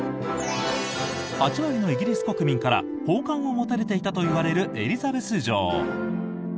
８割のイギリス国民から好感を持たれていたといわれるエリザベス女王。